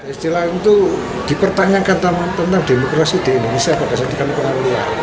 istilah itu dipertanyakan tentang demokrasi di indonesia pada saat dikandungan